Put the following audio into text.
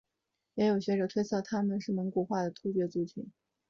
也有学者推测他们是一个蒙古化的突厥族群。